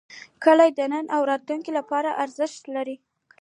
کلي د نن او راتلونکي لپاره ارزښت لري.